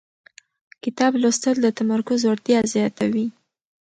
کتاب لوستل د تمرکز وړتیا زیاتوي